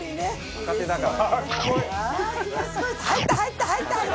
若手だから。